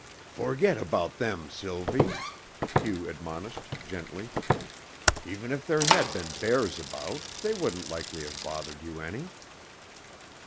"Forget about them, Sylvie," Hugh admonished gently. "Even if there had been bears about, they wouldn't likely have bothered you any."